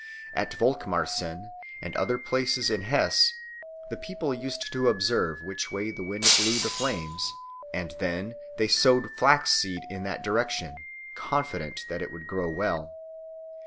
At Volkmarsen and other places in Hesse the people used to observe which way the wind blew the flames, and then they sowed flax seed in that direction, confident that it would grow well.